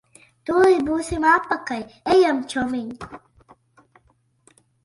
Tūlīt būsim atpakaļ. Ejam, čomiņ.